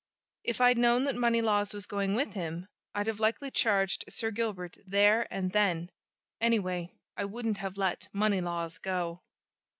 If I'd known that Moneylaws was going with him, I'd have likely charged Sir Gilbert there and then! anyway, I wouldn't have let Moneylaws go."